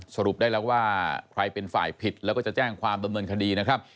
สรุปได้แล้วว่าใครเป็นฝ่ายผิดแล้วก็จะแจ้งความดำเนินคดีนะครับ